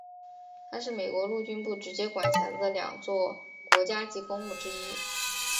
它是美国陆军部直接管辖的两座国家级公墓之一。